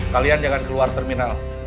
kalian jangan keluar terminal